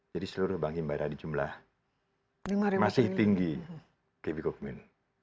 jadi seluruh bank himbara di jumlah masih tinggi kb kukmin